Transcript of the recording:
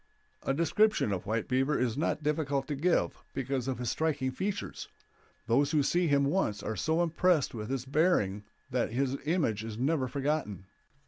A description of White Beaver is not difficult to give, because of his striking features; those who see him once are so impressed with his bearing that his image is never forgotten.